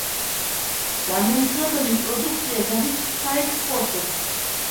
გამოშვებული პროდუქცია გადის საექსპორტოდ.